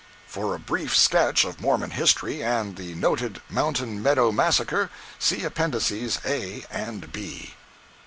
[For a brief sketch of Mormon history, and the noted Mountain Meadow massacre, see Appendices A and B.